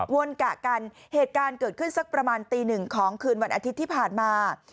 วนกะกันเหตุการณ์เกิดขึ้นสักประมาณตีหนึ่งของคืนวันอาทิตย์ที่ผ่านมา